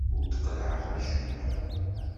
Ur d-qellɛeɣ acemma.